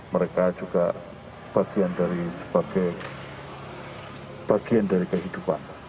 mereka juga bagian dari kehidupan